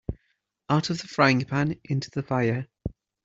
Out of the frying-pan into the fire.